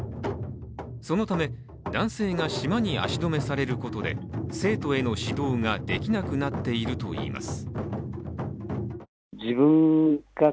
そのため、男性が島に足止めされることで生徒への指導ができなくなっているといいます。